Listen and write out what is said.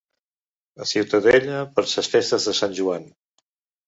A Ciutadella per ses festes de sant Joan